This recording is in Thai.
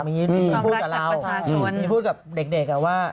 มีพูดกับเรามีพูดกับเด็กว่า